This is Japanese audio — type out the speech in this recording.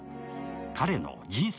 彼の人生